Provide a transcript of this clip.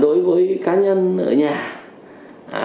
đối với cá nhân ở nhà